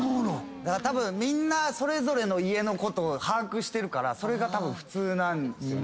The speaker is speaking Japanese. たぶんみんなそれぞれの家のことを把握してるからそれがたぶん普通。